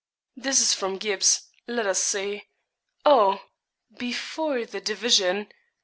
'This is from Gybes let us see. Oh! before the division.